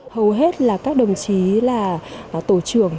hầu hết là các đồng chí là tổ trưởng